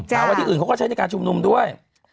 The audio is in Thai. แต่ว่าที่อื่นเขาก็ใช้ในการชุมนุมด้วย